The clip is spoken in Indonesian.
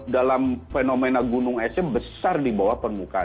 dalam fenomena gunung esnya besar di bawah permukaan